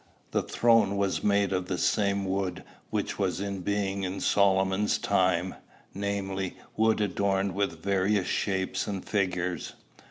The throne was made of the same wood which was in being in Solomon's time, namely, wood adorned with various shapes and figures."